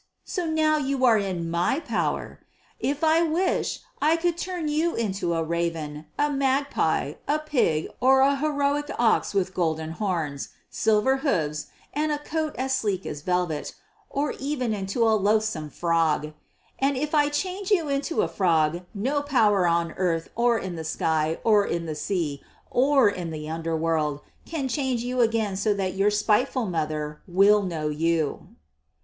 So now you are in my power. If I wish, I can turn you into a raven, a magpie, a pig, or a heroic ox with golden horns, silver hoofs, and a coat as sleek as velvet, or even into a loathsome frog. And if I change you into a frog no power on earth or in the sky or in the sea, or in the underworld can change you again so that your spiteful mother will know you."